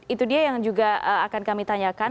itu dia yang juga akan kami tanyakan